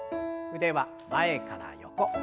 腕は前から横。